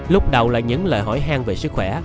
lúc đầu là những lời hỏi hen về sức khỏe